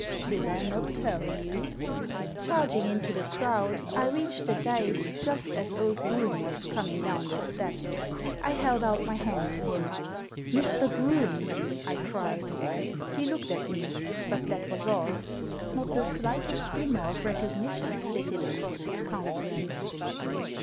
"Did I not tell you?" Charging into the crowd, I reached the dais just as Digitized by VjOOQIC A DOUBLE MINDED GENTLEMAN 227 old Groome was coming down the steps. I held out my hand to him, "Mr. Groome!" I cried. He looked at me — but that was all. Not the slightest glimmer of recognition flitted across his countenance.